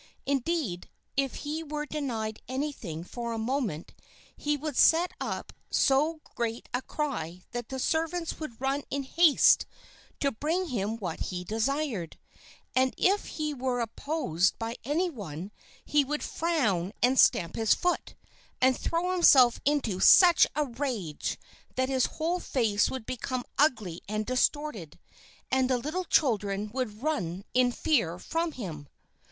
Indeed, if he were denied anything for a moment, he would set up so great a cry that the servants would run in haste to bring him what he desired; and if he were opposed by any one he would frown and stamp his foot, and throw himself into such a rage that his whole face would become ugly and distorted, and the little children would run in fear from him.